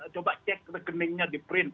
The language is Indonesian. coba cek rekeningnya di print